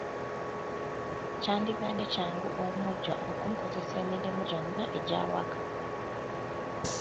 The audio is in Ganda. Kyandibadde kyangu omujjwa okumukozesa emirimu gyonna egy’awaka.